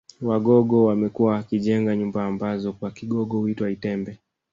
Wagogo wamekuwa wakijenga nyumba ambazo kwa Kigogo huitwa itembe